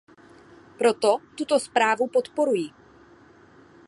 Proto tuto zprávu podporuji.